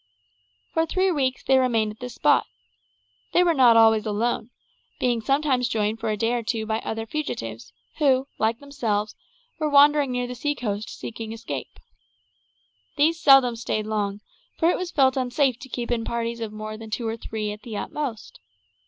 For three weeks they remained at this spot. They were not always alone, being sometimes joined for a day or two by other fugitives, who, like themselves, were wandering near the sea coast seeking escape. These seldom stayed long, for it was felt unsafe to keep in parties of more than two or three at the utmost.